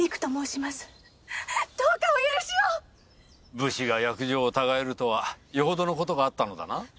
武士が約定をたがえるとはよほどの事があったのだな？